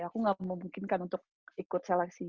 aku nggak memungkinkan untuk ikut seleksi